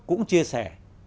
cũng chia sẻ